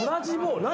何？